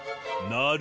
なる？